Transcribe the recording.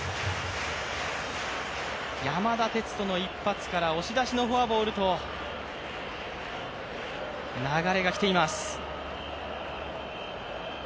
山田哲人の一発から押し出しのフォアボールと流れが来ています。